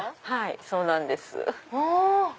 はいそうなんです。